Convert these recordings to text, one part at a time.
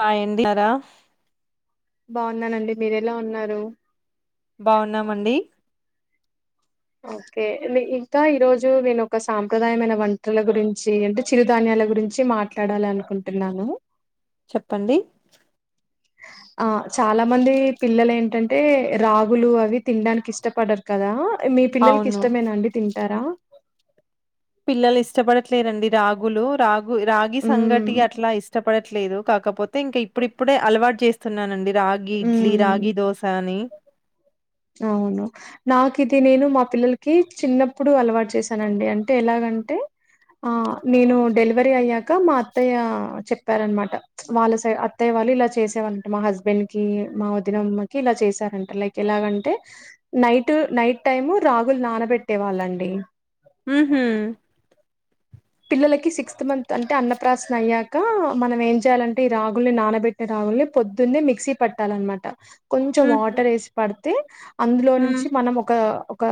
పయడిార బాగున్నానండి మీర ఎలా ఉన్నారు బాగున్నామండి ఓకే ఇంకా ఈరోోజు నేను ఒక సాంప్రదాయమైన వంటల గురించి అంటే చిరుధాన్యా ఇల గురించి మాట్లాడాలి అనుకుంటున్నాను చెప్పండి ఆ చాలా మంది పిల్లలు ఏంటంటే రాగులు అవి తినడానికి ఇష్టపడ్డరుారు కదా మీ పిల్లలకి అవును ఇష్టమేనా అండి తింటారా పిల్లలు ఇష్టపడట్లేదండి రాగులు రాగు రాగి ఉమ్ సంగటి అట్లా ఇష్టపడట్లేదు కాకపోతే అయితే ఇంకా ఇప్పుడుప్పుడే అలవాటు చేస్తున్నానండి రాగి ఇడ్లీ ఉమ్ రాగి దోశ అని అవును నాకు ఇది నేను మా పిల్లలకి చిన్నప్పుడు అలవాటు చేశానండి అంటే ఎలాగా అంటంటి ఆ నేను డెలివరీ అయ్యాక మా అత్తయ్య చెప్పారనమాట వాళ్ళ సై అత్తయ్య వాళ్ళు ఇలా చేసేవాంట మా హస్బెండ్ కి మా వదినమ్మకి ఇలా చేసారంట లైక్ ఎలాగంట అంటే నైట్ నైట్ టైము రాగుల్ నానబెట్టే వాళ్ళండి హ హ పిల్లలకి సిక్స్త్ మంత్ అంటే అన్నప్రాశన అయ్య కా మనం ఏం చేయాలంటే ఈ రాగుల్ని నానబెట్టే రాగుల్ని పొద్దున్నే మిక్సీ పట్టాలన్నమాట కొంచెం ఉహు వాటర్ వేసి పడితే అందులో ఉమ్ నుంచి మనం ఒక ఒక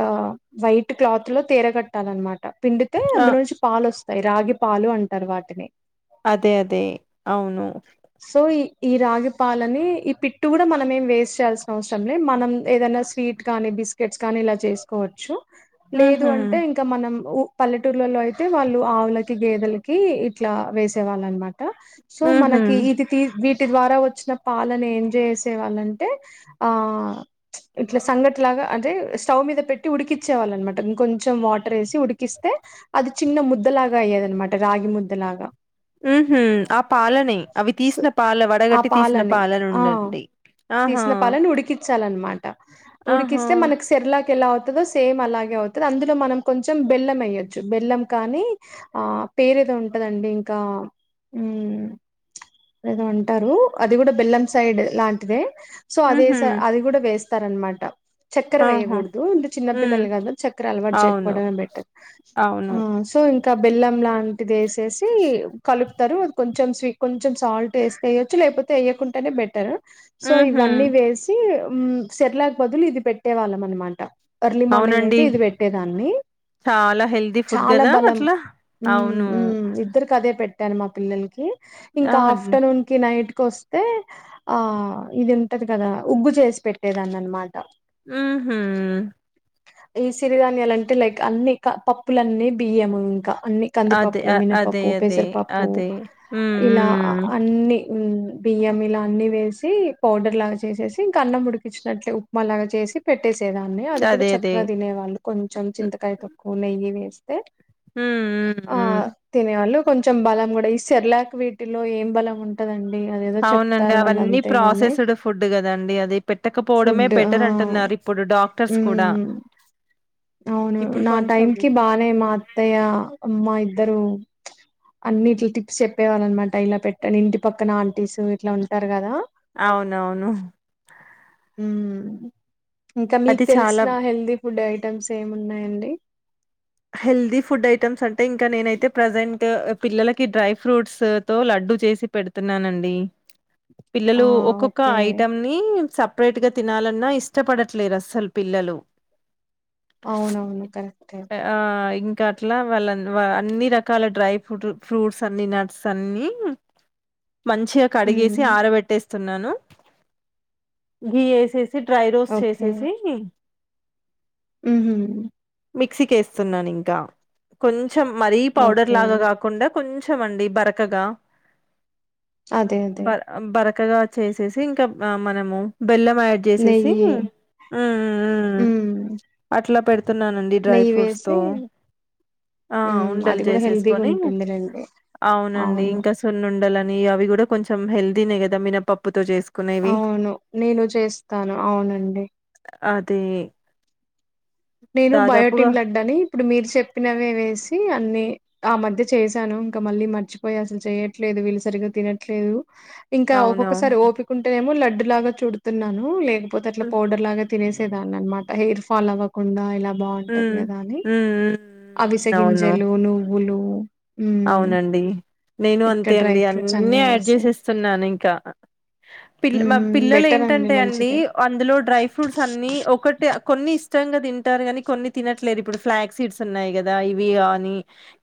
వైట్ క్లాత్ లో తీరగట్టాలన్నమాట పిండితే ఆ అందులోంచి పాలు వస్త యి రాగి పాలు అంటారు వాటిని అదే అదే అవును సో ఈ ఈ రాగిపాలని ఈ పిట్టు కూడా మన ఏం వేస్ట్ చేయాల్సిన అవసరం లే మనం ఏదైనా స్వీట్ గాని బిస్కెట్స్ కానీ ఇలా చేసుకోవచ్చు లేదు ఉహు అంటే ఇంకా మనం పల్లెటూర్లలో అయితే వాళ్ళు ఆవులకు గేదెలకు ఇట్ల వేసేయాలన్నమాట సో ఉహు మనకి వీటికి విటి ద్వారా వచ్చిన పాలను ఏం చేసే వాళ్ళంటే ఆ ఇట్లా సంగటి లాగా అదే స్టవ్ మీద పెట్టీ ఉడికించేవాల్లన్నమాట ఇంకొంచెం వాటర్ వేసి ఉడికిస్తే అది చిన్న ముద ద్దలాగా అయ్యేదనమాట రాగి ముద్దలాగా ఉమ్ హు ఆ పాలనీ అవి సో తీసిన పాలనీ ఆ వడగట్టి తీసిన పాలని. పాల ఆ! నుండండి ఆహా తీసిన పాలని ఉడికించాలన్నమాట ఆహా ఉడికిస్తే మనకి సేర్లాక్ ఎలా తదో సేమ్ అలాగే అవుతది అందులో మనం కొంచెం బెల్లం వేయ్యొచ్చు బెల్లం కానీ ఆ పేరు ఏదో ఉంటదండి ఇంకా ఉమ్ ఏదో అంటారు అది కూడా బెల్లం సైడ్ లాంటిదే సో అదే ఉహు ఏశా అది కూడా వేస్తారనమాట చక్కెర ఆహా వేయ్యకూడదు అంటే ఉమ్ చిన్నపిల్లలు కదా చక్కర అలవాటు అవును చేయకపోవడమే బెటర్ అవును ఉమ్ సో ఇంకా బెల్లం లాంటిది వేసేసి కలుపుతారు అది కొంచెం స్వీ కొంచెం సాల్ట్ వేస్తేయొచ్చు లేకపోతే వేయ్యకుంటనే బెటర్ సో ఊహూ ఇవన్నీ వేసి ఉమ్ సర్లాక్ బదులు ఇది పెట్టే వాళ్ళం అనమాట ఎర్లీ మార్నింగ్ అవునండి అయితే ఇది పెట్టేదాన్ని చాలా హెల్తీ ఫుడ్ చాలా కదా బలం అట్లా ఉమ్ అవును ఉమ్ ఇద్దరికి అదే పెట్టాను మా పిల్లలకి ఆ ఇంకా ఆఫ్టర్నూన్ కి నైట్ కొస్తే ఆ ఇది ఉంటది కదా ఉగ్గు చేసి పెట్టేదని అనమాట ఉమ్ హు ఈ సిరిధాన్యాలు అంటే లైక్ అన్ని క పప్పులన్నీ బియ్యము ఇంకా అన్ని అదే కందిపప్పు అ అదే మినపప్పు అదే పెసరపప్పు అదే హ్మ్ ఇలా హ్మ్ అన్ని ఉమ్ బియ్యం ఇలా అన్ని వేసి పౌడర్ లాగా చేసేసి ఇంక అన్నం ఉడికిచ్చినట్లే ఉప్మా లాగా చేసి పెట్ ట్టేసేదాన్ని అది కూడా అదే అదే చక్కగా తినేవాళ్ళు కొంచెం చింతకాయ తొక్కు నెయ్యి వేసి ఉమ్ ఉమ్ ఉమ్ తినేవాళ్ళు కొంచెం బలం కూడా ఈ సర్లాక్ వీటిలో ఏం బలం ఉంటదండి అదేదో అవునండి చెప్తారు వాళ్ళు అవన్నీ అంతేగాని ప్రాసెస్డ్ ఫుడ్ కదండి అది పెట్టకపోవడమే ఫుడ్ ఆ బెటర్ అంటున్నారు ఇప్పుడు డాక్టర్స్ కూడా ఉమ్ అవును ఇప్పుడు నా కొంచెం టైం కి బానే మా అత్తయ్య అమ్మ ఇద్దరు అన్ని ఇట్లా టిప్స్ చెప్పేవాళ్ళ అనమాట ఇలా పెట్టండి ఇంటి పక్కన ఆంటీస్ ఇట్లా ఉంటార్ అవునవును ఉమ్ ఇంకా మీకు అది చాలా తెలిసిన హెల్దీ ఫుడ్ ఐట్ ఐటమ్స్ ఏమి ఉన్నాయండి హెల్దీ ఫుడ్ ఐటమ్స్ అంటే ఇంకా నేనైతే ప్రజెంట్ ట్ పిల్లలకి డ్రై ఫ్రూట్స్ తో లడ్డు చేసి పెడుతున్నానండి ఆ పిల్లలు ఒక్కొక్క ఓకే ఐటం ని సప్ పరేట్గా తినాలన్నా ఇష్టపడట్లేదు అస్సలు పిల్లలు అవునవును కరెక్టే ఆ ఇంకా అట్లా వాళ్ళను వా అన్ని రకాల డ్రై ఫ్రూట్ ఫ్రూట్స్ అన్ని నట్స్ అన్ని మంచిగా కడిగేసి మ్మ్ ఆరబెట్టేస్తున్నాను గీ వేసే సి డ్రై రోస్ట్ చేసేసి ఉహూ మిక్సికి వేస్తున్నానింక కొంచం మరీ పౌడర్ ఓకే లాగా కాకుండా కొంచం అండి బరకగా అదే అదే బర-బరక్ క్కగా చేసేసి ఇంకా మనము బెల్లం యాడ్ చేసేసి నెయ్యి ఉమ్ ఉమ్ ఉమ్ మ్మ్ అట్లా పెడ్ న్నానండిడ్రై ఫ్రూ నెయ్యి వేసి ఆ మ్మ్ ఉండలు అది కూడా హెల్దీగా చేసేసుకొని ఉంటుందిలేండి అవునండి అవును ఇంకా సున్నుండలు నీ అవి కూడా కొంచెం హెల్దీనే కదా మినపప్పు అవును నేను చేస్తాను అవునండి అదే నేను బయోటిన్ లడ్డాని ఇప్పుడు మీరు చెప్పినవే వేసి అన్ని ఆ మధ్య చేశాను ఇంకా మళ్ళీ మర్చిపోయి అసలు చేయట్లే వీళ్లు సరిగ్గా తినట్లేదు ఇంకా ఒక్కొక్కసారి అవునవును. ఓపికుంటేనేమో లడ్డు లాగా చూడుతున్నాను లేకపోతే అట్లా హ్మ్. పౌడర్ లాగా తినేసేదాన్ని అన్నమాట హెయిర్ ఫాల్ అవ్వకుండా ఇలా బాగుంటది హ్మ్. కదా అని హ్మ్. హ్మ్. అవును. అవిసగింజలు నువ్వులు మ్మ్ అవునండి నేను ఇట్ట అంతే డ్రై అండి ఫ్రూట్స్ అన్నీ అన్ని యాడ్ వేసి చేసిస్తున్నాను ఇంకా పి మా మ్మ్ పిల్లలు బెటర్ ఏంటంటే అండి మంచిదే అందులో డ్రై ఫ్రూట్స్ అన్ని ఒకటి కొన్ని ఇష్టంగా తింటారు కానీ కొన్ని తినట్లేదు ఇప్పుడు ఫ్లాక్ సీడ్స్ ఉన్నాయి కదా ఇవి గాని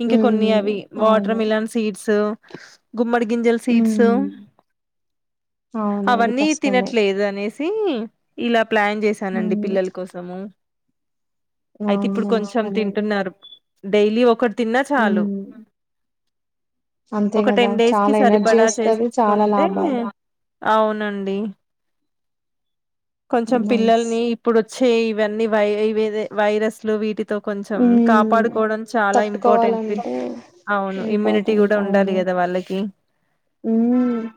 ఇంకా కొన్ని మ్మ్ అవి వాటర్ అవును మిలన్ సీడ్స్ గుమ్మడి గింజల్ సీడ్స్ మ్మ్ అవును అది అవన్నీ కష్టమే తినట్లేదు అనేసి ఇలా ప్లాన్ చేశానండి మ్మ్ పిల్లల కోసము అయితే అవును ఇప్పుడు మంచి కొంచెం తింటున్నారు డైలీ ఒక ఉమ్ ఒక టెన్ డేస్ కి చాలా ఎనర్జీ సరిపడా వస్తది చాలా చేసుసుకుంటే లాభాలు అవునండి కొంచెం నైస్ పిల్లల్ని ఇప్పుడు చే ఇవన్నీ వై వైరస్లు వీటి కొంచెం హ్మ్ కాపాడుకోవడం చాలా ఇంపార్టెంట్ తట్టుకోవాలంటే అవును ఇమ్యూనిటీ కూడా ఉండాలి కదా వాళ్ళకి ఉ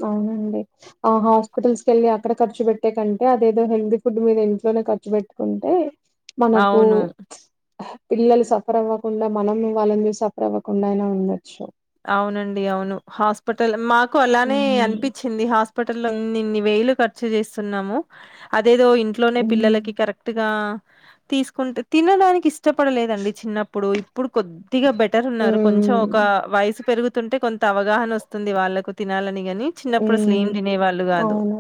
అవునండి ఆ హాస్పిటల్స్ కి వెళ్లి అక్కడ ఖర్చు పెట్టే కంటే అదేదో హెల్దీ ఫుడ్ మీద ఇంట్లోనే ఖర్చు పెట్టుకుంటే మనకు అవును పిల్లలు సఫర్ అవ్వకుండా మనం వాళ్ళంనీ సఫర్ అవ్వకుండా అయినా ఉండొచ్చు అవునండి అవును హాస్పిటల్ మాకు అలానే హ్మ్ అనిపించింది హాస్ప హస్పిటన్ని ఇన్ని వేలు ఖర్చు చేస్తున్నాము దేదో ఇంట్లోనే పిల్లలకి హ్మ్ కరెక్ట్ గా తీసుకుంటే తినడానికి ఇస్ ఇష్టపడలేదండి చిన్నప్పుడు ఇప్పుడు కొద్దిగా బెటర్ ఉన్నారు కొంచెం ఒక హ్మ్ వయాస్ పెరుగుతుంటే కొంత అవగాహన వస్తుంది వాళ్ళకు తినాలని కాని చిన్నప్పుడు అసలే ఏం హ్మ్. తినే వాళ్ళు కాదు అవును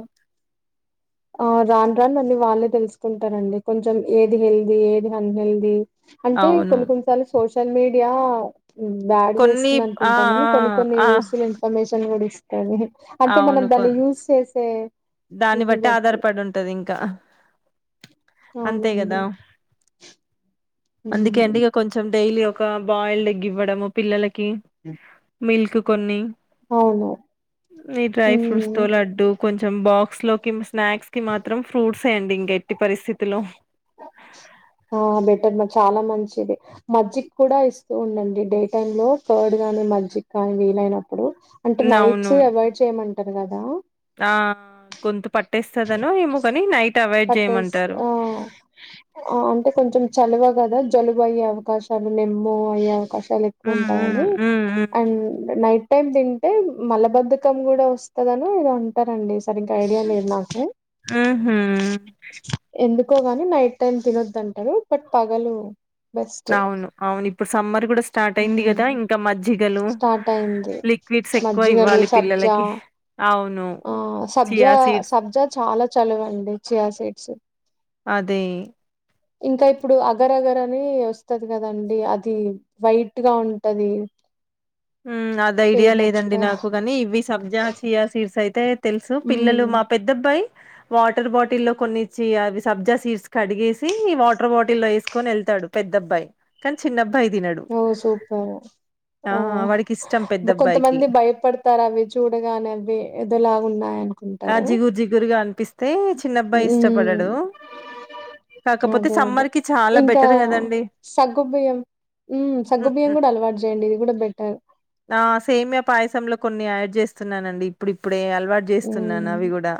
ఆ రాను రాను అన్ని వాళ్ళే తెలుసుకుంటారండి కొంచెం ఏది హెల్దీ ఏది అన్హెల్దీ అంటే అవును. కొన్ని కొన్నిసార్లు సోషల్ మీడియా బ్యాడ్ కొన్ని చేస్తుంది ఆ! అనుకుంటామని కొన్ని కొన్ని ఆ! ఆ! యూస్ఫుల్ ఇన్ఫర్మేషన్ కూడా ఇస్తారు అంటే మనం అవును. దాన్ని కొన్ యూజ్ చేసే దాన్ని బట్టి ఆధారపడి ఉంటది ఇంకా అవునండి అందుకే అండి హ్మ్. ఇగా కొంచెం డైలీ ఒక బాయిల్డ్ ఎగ్ ఇవ్వడము పిల్లల కి మిల్క్ కొన్ని అవును ఈ డ్రై ఫ్రూట్స్ తో హ్మ్. లడ్డూ కొంచెం బాక్స్ లోకి స్నాక్స్ కి మాత్రం ఫ్రూట్స్యే అండి ఇంకా ఎట్టి పరిస్థితిలో [inaudible] ఆ బెటర్ మా చాలా మంచిది మజ్జిక్కూడా ఇస్తూ ఉండండి డే టైమ్ లో కర్డ్ నే మజ్జికా వీలైనప్పుడు, అంటే అవును. నైట్స్ అవాయిడ్ చేయమంటారు కదా ఆ గొంతు పట్ పట్టేస్ జేయమంటారు. ఆ ఆ అంటే కొంచెం చలవ కదా జలుబు అయ్యే అవకాశాలున్నయ్ మో అయ్యే అవకాశాలు తలు హ్మ్. హ్మ్. ఎక్కువుంటాయని హ్మ్. హ్మ్. అండ్ నైట్ టైం తింటే మలబద్ధకం కూడా వస్తదని ఎదో అంటారండి సరిగ్గా ఐడియా లేదు నాకు హుహు. ఎందు కో గాని నైట్ టైం తినొద్దంటారు బట్ పగలు బెస్ట్ అవును అవును ఇప్పుడు సమ్మర్ కూడా స్టార్ట్ అయింది హ్మ్ కదా ఇంకా మజ్జిగలు స్టార్ట్ అయింది లిక్విడ్స్ ఎక్కువ మజ్జిగలు ఇవ్వాలి సబ్జా పిల్లలకి అవును ఆ చియా సబ్జా సీడ్స్ సబ్జా చాలా చలవండి చియా సీడ్స్ అదే ఇంకా ఇప్పుడు అగరగర్ అని వస్తది కదండి, అది వైట్ గా ఉంటది ఉమ్ అది ఐడియా పేరు లేదండి మర్చిపోయా నాకు కానీ ఇవి సబ్జా చియా సీడ్స్ అయితే తెలుసు పిల్లలు హ్మ్ మా పెద్దబ్బాయి వాటర్ బాటిల్లో కొన్ని చి అవి సబ్జా సీడ్స్ కడిగేసి వాటర్ బాటిల్ల్లో వేసుకొని వెళ్తా డు పెద్ద అబ్బాయి, కానీ చిన్నబ్ ఓ సూపర్ ఆ ఓ వాడికి ఇష్టం ఒ పెద్దబ్బాయికి కొంతమంది భయపడతారు అవి చూడగానే అవి ఏదోలా ఉన్నాయని ఆ జిగురు జిగురుగా అనిపిస్తే చిన్నబ్బాయి హ్మ్ ఇష్టపడడు కాకపోతే అదే అదే సమ్మర్ కి చాలా ఇంకా బెటర్ కదండి సగ్గుబియ్యం హ్మ్ సగ్గుబియ్యం కూడా అలవాటు చేయండి ఇది కూడా బెటర్ ఆ సేమియ పాయసంలో కొన్ని యా చేస్తున్నానండి ఇప్పుడు ఇప్పుడే అలవాటు చే హ్మ్ తున్నాను అవి కూడా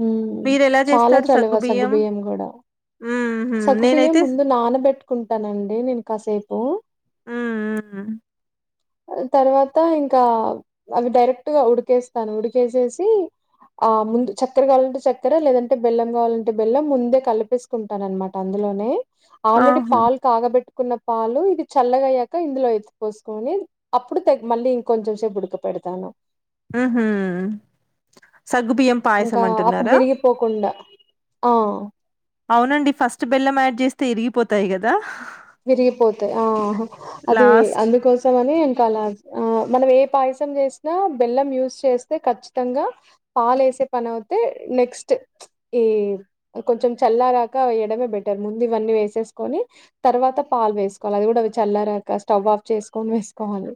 హ్మ్ మీరు ఎలా చాలా చేస్తారు సగ్గు చలువ బియ్యం సగ్గుబియ్యం కూడా ఉహు సగ్గుబియ్యం నేనైతే ముందు నానబెట్టుకుంటానండి నేను కాసేపు ఉమ్ ఊ ఉ తర్వాత ఇంకా అవి డైరెక్ట్ గా ఉడికేస్తాను, ఉడికేసేసి ఆ ముందు చక్కెర కావాలంటే చక్కెర లేదంటే బెల్లం కావాలంటే బెల్లం ముందే కలిపేసుకున్ టానమాట అందులోనే ఆల్రెడీ ఆహా పాల్ కాగబెట్ కున్న పాలు ఇది చల్లగాయ్యాక ఇందులో ఎత్తి పోసుకొని, అప్పుడు తెగ్ మళ్ళీ ఇంకొంచెం సేపు ఉడకపె పెడతాన ఉహూ ఇంకా అప్పుడు విరిగిపోకుండా ఆ అవునండి ఫస్ట్ బెల్లం యాడ్ చేస్తే ఇరిగిపోతాయి కదా విరిగిపోతాయి ఆ అది లాస్ట్ అందుకోసం అని ఇంకా అలా ఆ మనం ఏ పాయస చేసినా బెల్లం యూజ్ చేస్తే ఖచ్చితంగా పాలేసే పని అవుతే నెక్స్ట్ ఈ కొంచెం చల్లారాక వేయడమే బెటర్ ముందు ఇవన్నీ వేసేసుకొని తర్వాత పాలు వేసుకోవాలి, అది కూడా అవి చల్లారాక స్టవ్ ఆఫ్ చేసుకొని వేసు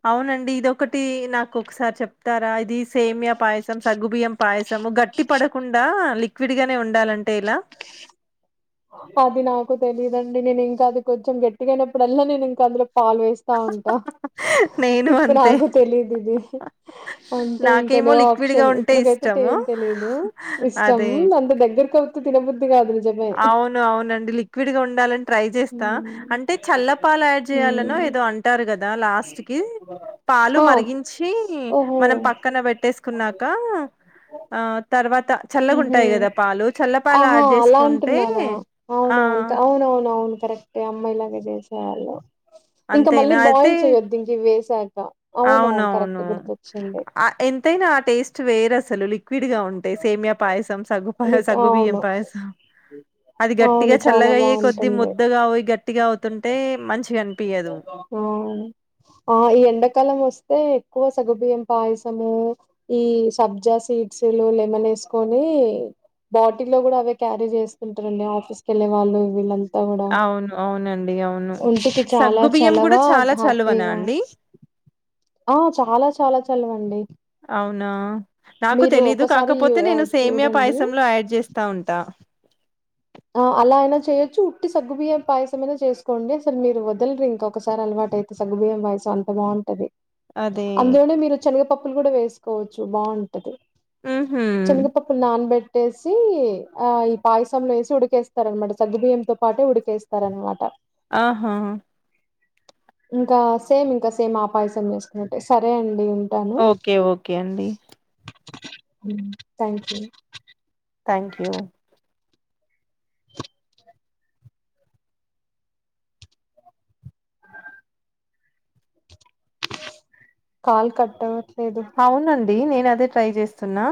అవునండి ఇదొకటి నాకు ఒకసారి చెప్తారా ది సేమియా పాయసం సగ్గుబియ్యం పాయసము గట్టి పడకుండా లిక్విడ్ గానే ఉండాలంటే ఎలా అది నాకు తెలీదండి నేను ఇంకా అది కొంచెం గట్టిగా అయినప్పుడల్లా నేను ఇంకా అందులో పాలు వేస్తా ఉంటా నేను టిప్పు అంతే నాకు తెలీయదిది అంటే ఇంకా నాకేమో నో లిక్విడ్ గా ఆప్షన్ ఉంటే ఇప్పుడుకైతే ఇష్టము ఏం తెలీదు ఇష్టం అదే అంత దగ్గరకోత్తె తినబుద్ది కాదు నిజ అవును అవునండి లిక్విడ్ గా ఉండాలం ట్రై చేస్తా అంటే చల్లపాలు యాడ్ చేయాలనో ఏదో అంటారు కదా లాస్ట్ కి పాలు ఆ మరిగించి ఓహో మనం పక్కన పెట్టేసుకున్నాక ఆ తర్వాత చల్లగా ఉహు ఉంటాయి కదా పాలు చల్ల పాలు ఆహా యాడ్ చేసు అలా అంటున్నదా అవునవును అవునవున అవును కరెక్ట్ అమ్మాయిలాగా చేసేవాళ్ళు ఇంకా మళ్ళీ అంతేనా బాయిల్ అయితే చేయొద్దు ఇంక ఇవి వేసాక అవునవును కరెక్టే గుర్తొచ్చింది ఆ ఎంతైనా ఆ టేస్ట్ వేరు అసలు లి క్విడ్ గా ఉంటాయి సేమియా పాయసం సగ్గు పాయసం సగ్గుబియ్యం అవును పాయసం అది గట్టిగా అవును చాలా చల్లగా అయ్యే కొద్ది బాగుంటుంది ముద్దగా అయి గట్టిగా అవుతుంటే మంచి ఆ ఆ ఈ ఎండాకాలం వస్తే ఎక్కువ సగ్గుబియ్యం పాయసము ఈ సబ్జా సీడ్స్ లలో లెమన్ వేసుకొని బాటిల్లో కూడా అవే క్యారీ చేస్తుంటారండి ఆఫీస్కి వెళ్ళే వాళ్ళు వీళ్ళం అవును అవునండి అవును ఒంటికి చాలా సగ్గు బియ్యం చలవ కూడా చాలా చలువనా అండి అవును చాలా చాలా చలవండి అవునా నాకు మీరు తెలీదు ఒకసారి కాకపోతే ఆ, నేను సేమియా చూడండి పాయసంలో యాడ్ చేస్తా ఉంటా ఆ అలా అయినా చేయొచ్చు ఉట్టి సగ్గుబియ్యం పాయసమైనా చేసుకోండి అసలు మీరు వదలరు ఇంక ఒకసారి అలవాటు అయితే సగ్గుబియ్యం పాయసం అంత బాగుంటది అదే. అందులోనే మీరు చెనగ పప్పులు కూడా వేసుకోవచ్చు బాగుంటది హుహు. చెనగపప్పులు నానబెట్టేసి ఆ ఈ పాయసం వేసి ఉడికేస్తారనమాట సగ్గుబియ్యంతో పాటే ఉడికేస్తారనమాట ఆహా ఇంకా సేమ్ ఇంకా సేమ్ ఆ పాయసం చేసుకున్నట్టే సరే అండి ఉంటాను ఓకే ఓకే అండి ఉమ్ thank you thank you call cut అవ్ అవునండి నేను అదే ట్రై చేస్తున్నా